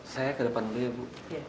saya ke depan dulu ya bu